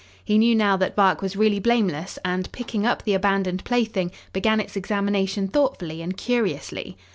He knew now that Bark was really blameless, and, picking up the abandoned plaything, began its examination thoughtfully and curiously.